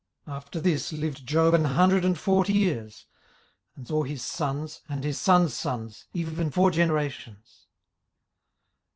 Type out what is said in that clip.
18:042:016 After this lived Job an hundred and forty years, and saw his sons, and his sons' sons, even four generations.